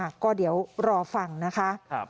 ก็เดี๋ยวรอฟังนะคะ